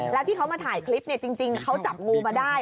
แล้วที่เขามาถ่ายคลิปเนี่ยจริงเขาจับงูมาได้